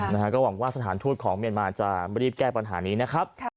นะฮะก็หวังว่าสถานทูตของเมียนมาจะรีบแก้ปัญหานี้นะครับ